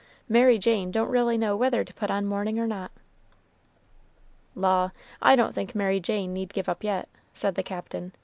Mary Jane don't really know whether to put on mourning or not." "Law! I don't think Mary Jane need give up yet," said the Captain.